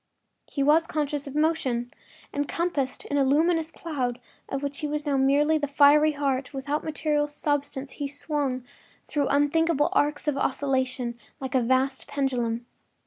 He was conscious of motion. Encompassed in a luminous cloud, of which he was now merely the fiery heart, without material substance, he swung through unthinkable arcs of oscillation, like a vast pendulum.